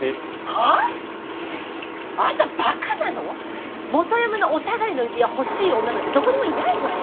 はあ⁉あんたバカなの⁉元嫁のお下がりの指輪欲しい女なんてどこにもいないわよ！